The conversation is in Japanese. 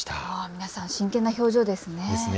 皆さん真剣な表情ですね。